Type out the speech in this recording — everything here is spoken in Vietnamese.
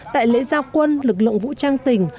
tại lễ gia quân lực lượng vũ trang tỉnh